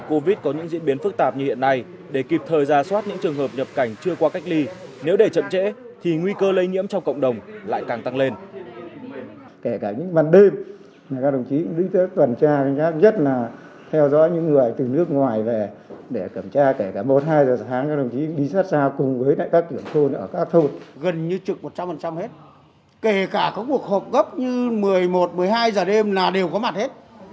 covid hay sao dịch bệnh hay sao mà phải đi khách đi